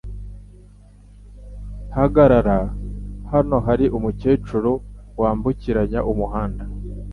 Hagarara! Hano hari umukecuru wambukiranya umuhanda!